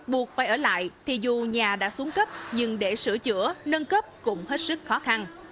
buộc phải ở lại thì dù nhà đã xuống cấp nhưng để sửa chữa nâng cấp cũng hết sức khó khăn